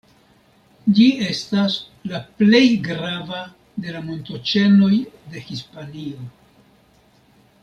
Ĝi estas la plej grava de la montoĉenoj de Hispanio.